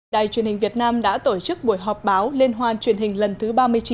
đài truyền hình việt nam đã tổ chức buổi họp báo liên hoan truyền hình lần thứ ba mươi chín